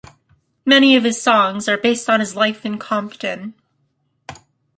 Many of his songs are based on his life in Compton.